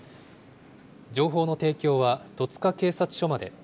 情報の提供は戸塚警察署まで。